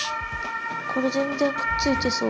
これ全然くっついてそう。